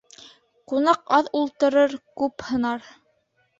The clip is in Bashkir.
Ҡунаҡ аҙ ултырыр, күп һынар.